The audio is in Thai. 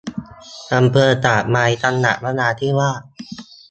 อำเภอตากใบ จังหวัดนราธิวาส